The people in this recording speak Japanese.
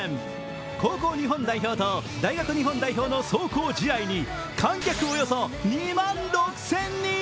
高校日本代表と、大学日本代表の壮行試合に観客およそ２万６０００人。